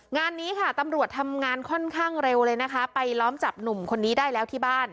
งานนี้ค่ะตำรวจทำงานค่อนข้างเร็วเลยนะคะไปล้อมจับหนุ่มคนนี้ได้แล้วที่บ้าน